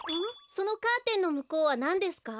そのカーテンのむこうはなんですか？